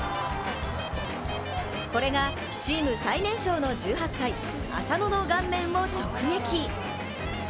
これがチーム最年少の１８歳、麻野の顔面を直撃。